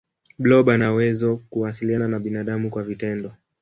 blob anawezo kuwasiliana na binadamu kwa vitendo